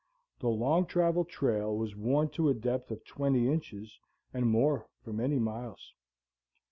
The long traveled trail was worn to a depth of twenty inches and more for many miles.